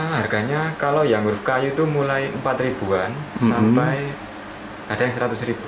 harganya kalau yang huruf kayu itu mulai empat ribuan sampai ada yang seratus ribu